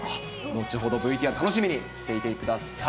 後ほど、ＶＴＲ、楽しみにしていてください。